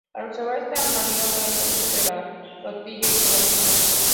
Al observar esta maniobra, el resto de la flotilla hizo lo mismo.